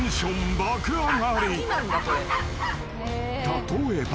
［例えば］